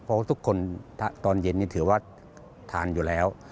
เพราะว่าทุกคนตอนเย็นนี่ถือว่าทานอยู่แล้ว